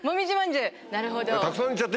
なるほど。